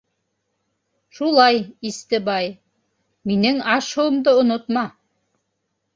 — Шулай, Истебай, минең аш-һыуымды онотма.